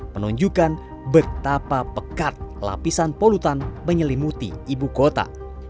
menunjukkan betapa pekat lapisan polutan menyelimuti ibu kota